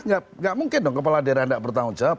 nggak mungkin dong kepala daerah tidak bertanggung jawab